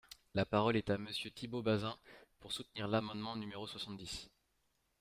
La parole est à Monsieur Thibault Bazin, pour soutenir l’amendement numéro soixante-dix.